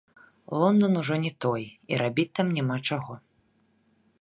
Лондан ужо не той, і рабіць там няма чаго.